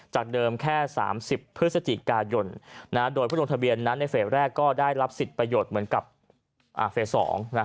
เดิมแค่๓๐พฤศจิกายนโดยผู้ลงทะเบียนนั้นในเฟสแรกก็ได้รับสิทธิประโยชน์เหมือนกับเฟส๒